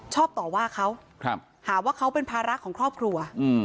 ชอบต่อว่าเขาหาว่าเขาเป็นพระรักษณ์ของครอบครัว